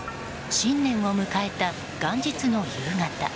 新年を迎えた元日の夕方。